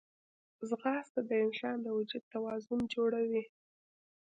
ځغاسته د انسان د وجود توازن جوړوي